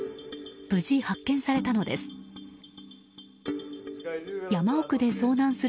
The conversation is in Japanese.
無事発見されたのです。